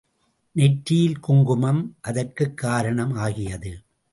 நெற்றியில் குங்குமம் அதற்குக் காரணம் ஆகியது.